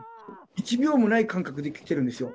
１秒もない感覚で来てるんですよ。